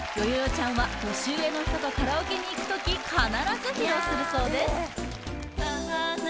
ちゃんは年上の人とカラオケに行く時必ず披露するそうです・